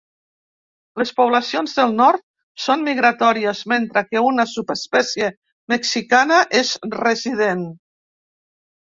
Les poblacions del nord són migratòries, mentre que una subespècie mexicana és resident.